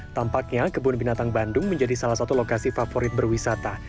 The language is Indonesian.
tampaknya kebun binatang bandung menjadi salah satu lokasi favorit berwisata